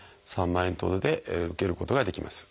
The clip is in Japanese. ３万円ほどで受けることができます。